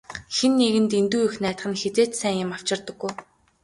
Хэн нэгэнд дэндүү их найдах нь хэзээ ч сайн юм авчирдаггүй.